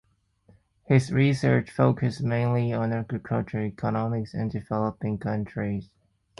His research focused mainly on agricultural economics in developing countries.